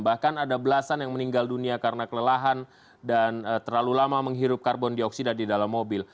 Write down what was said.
bahkan ada belasan yang meninggal dunia karena kelelahan dan terlalu lama menghirup karbon dioksida di dalam mobil